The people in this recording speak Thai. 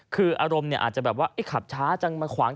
คืออารมณ์เนี่ยอาจจะแบบว่าขับช้าจังมาขวาง